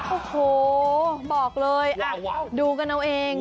โอ้โหบอกเลยดูกันเอาเอง